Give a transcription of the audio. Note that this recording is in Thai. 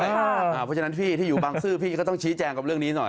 เพราะฉะนั้นพี่ที่อยู่บางซื่อพี่ก็ต้องชี้แจงกับเรื่องนี้หน่อย